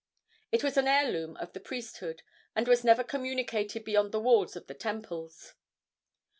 It was an heirloom of the priesthood, and was never communicated beyond the walls of the temples.